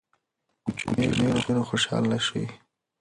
په کوچنیو شیانو خوشحاله شئ.